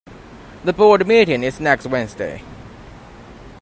The board meeting is next Wednesday.